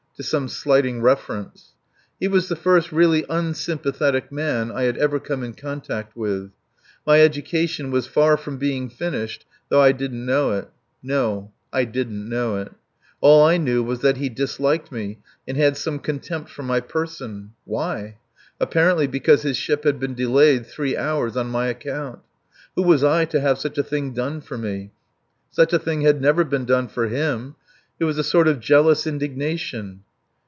to some slighting reference. He was the first really unsympathetic man I had ever come in contact with. My education was far from being finished, though I didn't know it. No! I didn't know it. All I knew was that he disliked me and had some contempt for my person. Why? Apparently because his ship had been delayed three hours on my account. Who was I to have such a thing done for me? Such a thing had never been done for him. It was a sort of jealous indignation.